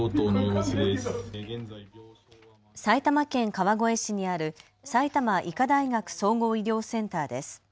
埼玉県川越市にある埼玉医科大学総合医療センターです。